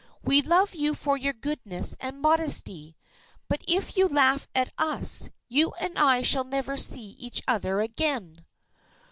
We love you for your goodness and modesty, but if you laugh at us, you and I shall never see each other again."